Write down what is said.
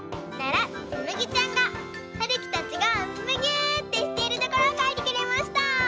ならつむぎちゃんがはるきたちがむぎゅーってしているところをかいてくれました！